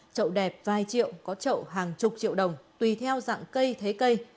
trậu đẹp vài triệu có trậu hàng chục triệu đồng tùy theo dạng cây thế cây